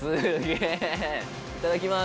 いただきます！